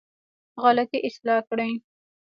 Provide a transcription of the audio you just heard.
غلطي اصلاح کړې.